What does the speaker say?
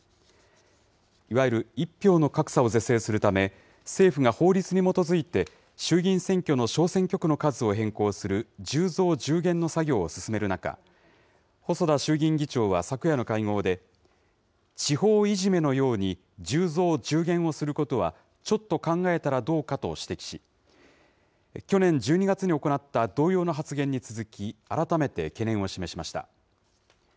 いわゆる１票の格差を是正するため、政府が法律に基づいて衆議院選挙の小選挙区の数を変更する１０増１０減の作業を進める中、細田衆議院議長は昨夜の会合で、地方いじめのように１０増１０減をすることはちょっと考えたらどうかと指摘し、去年１２月に行った同様の発言に続き、改めて懸念を示しました。